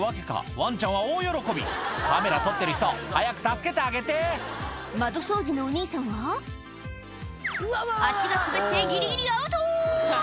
ワンちゃんは大喜びカメラ撮ってる人早く助けてあげて窓掃除のお兄さんは足が滑ってギリギリアウト！